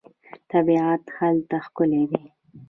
طبیعت هلته ښکلی دی.